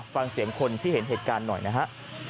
ฟังเสียงคนที่เห็นเหตุการณ์หน่อยนะฮะ